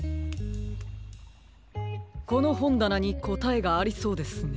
このほんだなにこたえがありそうですね。